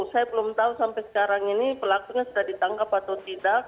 saya belum tahu sampai sekarang ini pelakunya sudah ditangkap atau tidak